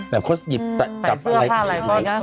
แบบเขาหยิบใส่ใส่เสื้อผ้าหลายก้อน